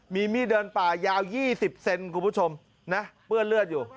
มีมีดเดินป่ายาว๒๐เซนคุณผู้ชมนะเปื้อนเลือดอยู่